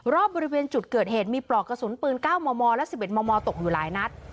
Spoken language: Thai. รอบบริเวณจุดเกิดเหตุมีปลอกกระสุนปืน๙มมและ๑๑มมตกอยู่หลายนัด